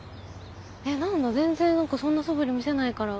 えっ何だ全然何かそんなそぶり見せないから。